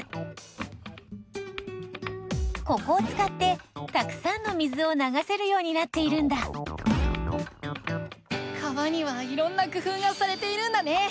ここをつかってたくさんの水をながせるようになっているんだ川にはいろんな工夫がされているんだね。